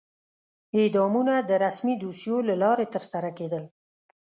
اعدامونه د رسمي دوسیو له لارې ترسره کېدل.